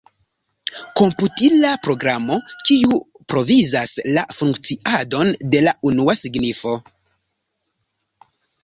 Komputila programo kiu provizas la funkciadon de la unua signifo.